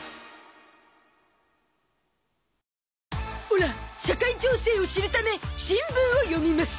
オラ社会情勢を知るため新聞を読みます